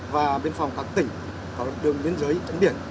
và biên phòng các tỉnh đường biên giới trận biển